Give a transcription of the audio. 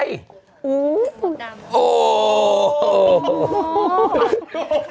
อุ๊ยหลวงดำอู้ววว